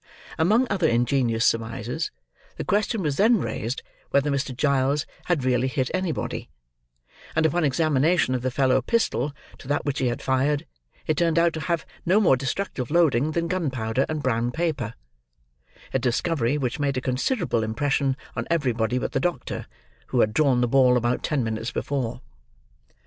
Among other ingenious surmises, the question was then raised, whether Mr. Giles had really hit anybody; and upon examination of the fellow pistol to that which he had fired, it turned out to have no more destructive loading than gunpowder and brown paper: a discovery which made a considerable impression on everybody but the doctor, who had drawn the ball about ten minutes before.